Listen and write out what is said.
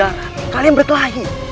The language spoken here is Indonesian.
berkata bahwa kau berkelahi